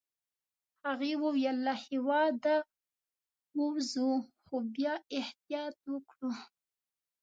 هغې وویل: له هیواده ووزو، خو باید احتیاط وکړو.